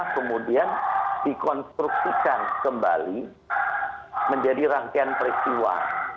kemudian dikonstruksikan kembali menjadi rangkaian peristiwa